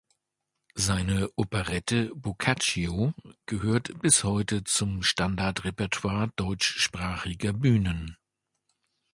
Seine Operette "Boccaccio" gehört bis heute zum Standard-Repertoire deutschsprachiger Bühnen.